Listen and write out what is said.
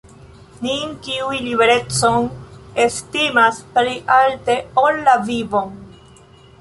Nin, kiuj liberecon estimas pli alte ol la vivon.